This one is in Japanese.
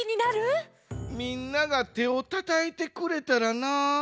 みんながてをたたいてくれたらなあ。